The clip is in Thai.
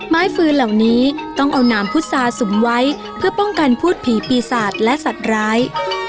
ฟืนเหล่านี้ต้องเอาน้ำพุษาสุมไว้เพื่อป้องกันพูดผีปีศาจและสัตว์ร้าย